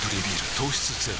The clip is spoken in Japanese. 糖質ゼロ